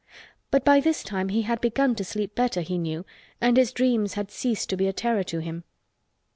But by this time he had begun to sleep better, he knew, and his dreams had ceased to be a terror to him.